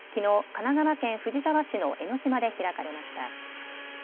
神奈川県藤沢市の江の島で開かれました。